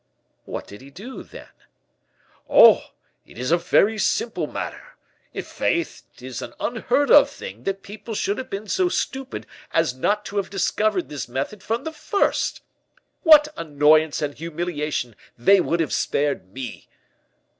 "What did he do, then?" "Oh! it is a very simple matter. I'faith, 'tis an unheard of thing that people should have been so stupid as not to have discovered this method from the first. What annoyance and humiliation they would have spared me!"